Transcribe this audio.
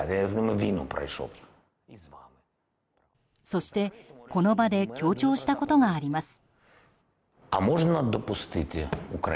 そして、この場で強調したことがあります。